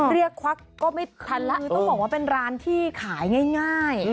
ควักก็ไม่ทันแล้วคือต้องบอกว่าเป็นร้านที่ขายง่าย